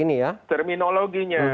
ini ya terminologinya